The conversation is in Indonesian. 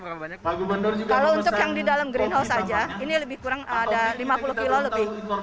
kalau untuk yang di dalam greenhouse saja ini lebih kurang ada lima puluh kilo lebih